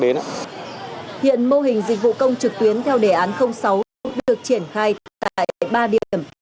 hiện mô hình dịch vụ công trực tuyến theo đề án sáu được triển khai tại ba điểm